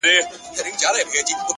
مثبت چلند زړونه نږدې کوي.!